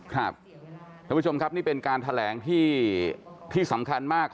ท่านผู้ชมครับนี่เป็นการแถลงที่สำคัญมาก